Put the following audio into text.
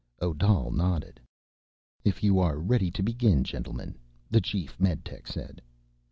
Odal nodded. "If you are ready to begin, gentlemen," the chief meditech said.